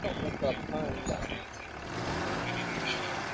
Hapana msizifunge mboni zenu, tazameni